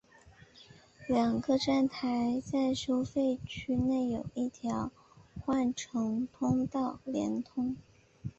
两个站台在付费区内有一条换乘通道连通。